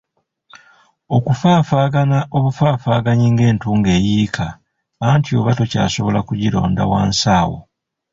Okufaafaagana obufaafaaganyi ng'entungo eyiika anti oba tokyasobola kugironda wansi awo.